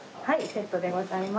セットでございます。